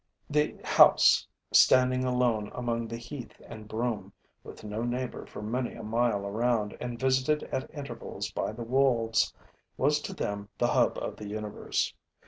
The house, standing alone among the heath and broom, with no neighbor for many a mile around and visited at intervals by the wolves, was to them the hub of the universe.